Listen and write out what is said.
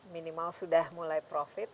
minimal sudah mulai profit